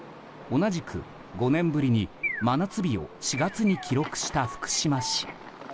同じく５年ぶりに真夏日を４月に記録した福島市。